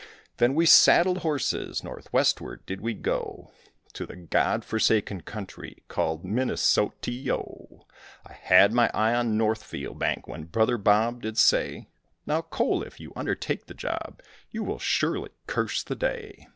Then we saddled horses, northwestward we did go, To the God forsaken country called Min ne so te o; I had my eye on the Northfield bank when brother Bob did say, "Now, Cole, if you undertake the job, you will surely curse the day."